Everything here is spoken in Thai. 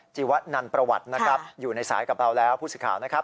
วนันประวัตินะครับอยู่ในสายกับเราแล้วผู้สื่อข่าวนะครับ